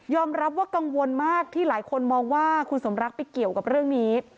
รับว่ากังวลมากที่หลายคนมองว่าคุณสมรักไปเกี่ยวกับเรื่องนี้